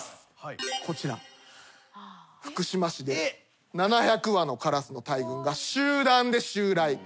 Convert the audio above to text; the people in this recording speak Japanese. こちら福島市で７００羽のカラスの大群が集団で襲来。